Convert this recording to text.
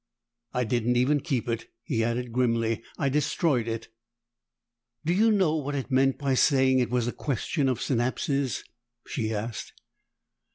I didn't even keep it," he added grimly. "I destroyed it." "Do you know what it meant by saying it was a question of synapses?" she asked.